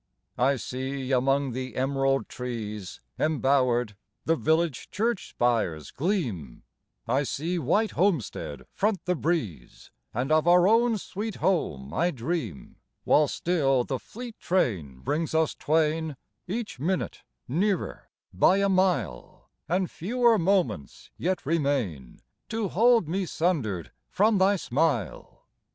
I see among the emerald trees Embowered, the village church spires gleam; I see white homestead front the breeze, And of our own sweet home I dream; While still the fleet train brings us twain Each minute nearer by a mile, And fewer moments yet remain To hold me sundered from thy smile.